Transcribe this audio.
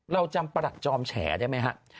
เราจำประหลัดจอมแฉได้ไหมฮะ